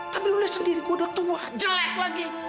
tapi lo lihat sendiri gue udah tua jelek lagi